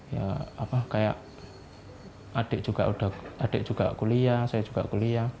ya apa kayak adik juga kuliah saya juga kuliah